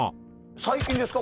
最近ですか？